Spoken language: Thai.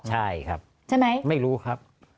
ใช่ครับไม่รู้ครับ